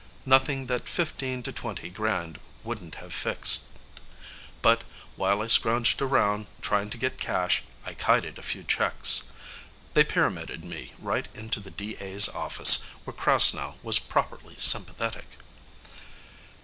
Nothing that fifteen to twenty grand wouldn't have fixed but while I scrounged around, trying to get cash, I kited a few checks. They pyramided me right into the D.A.'s office, where Krasnow was properly sympathetic.